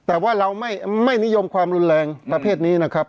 แต่ว่าเราไม่นิยมความรุนแรงประเภทนี้นะครับ